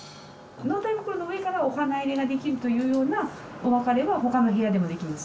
納体袋の上からお花入れができるというようなお別れは他の部屋でもできます。